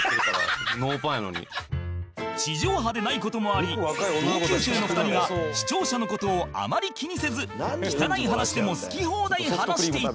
地上波でない事もあり同級生の２人が視聴者の事をあまり気にせず汚い話でも好き放題話していた